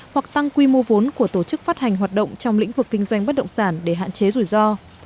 hoặc tăng quy mô vốn của tổ chức phát hành hoạt động trong lĩnh vực kinh doanh bất động sản để hạn chế rủi ro